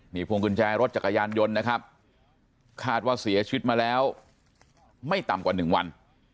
พวงกุญแจรถจักรยานยนต์นะครับคาดว่าเสียชีวิตมาแล้วไม่ต่ำกว่า๑วัน